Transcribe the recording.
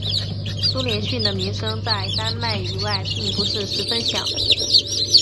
苏连逊的名声在丹麦以外并不是十分响。